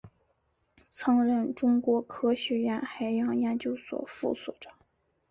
曾任中国科学院海洋研究所副所长。